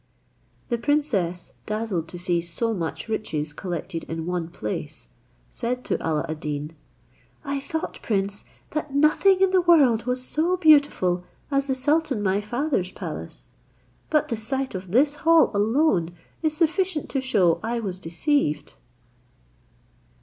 The princess, dazzled to see so much riches collected in one place, said to Alla ad Deen, "I thought, prince, that nothing in the world was so beautiful as the sultan my father's palace, but the sight of this hall alone is sufficient to show I was deceived."